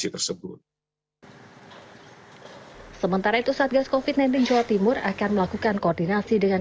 tersebut sementara itu satgas kofit sembilan belas jawa timur akan melakukan koordinasi dengan